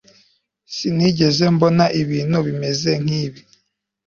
sinigeze mbona ibintu bimeze nkibi